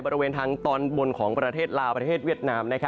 บริเวณทางตอนบนของประเทศลาวประเทศเวียดนาม